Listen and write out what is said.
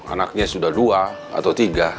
anaknya sudah dua atau tiga